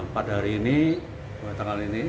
pada hari ini